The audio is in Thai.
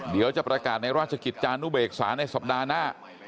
เดี๋ยวจะประกาศในราชกิจจานุเบกษาในสัปดาห์หน้า